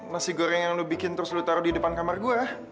nasi goreng yang lu bikin terus lo taruh di depan kamar gue